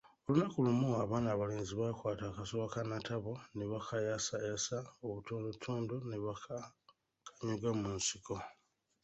Olunaku lumu abaana abalenzi bakwaata akasuwa ka Natabo ne bakayasayasa obutundutundu ne bakakanyuga mu nsiko.